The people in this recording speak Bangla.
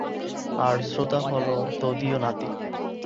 আর শ্রোতা হলো তদীয় নাতি।